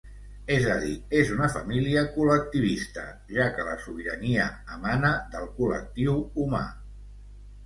És a dir, és una família col·lectivista, ja que la sobirania emana del col·lectiu humà.